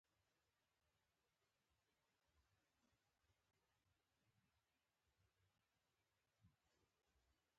موږ یو بل ته احترام لرو.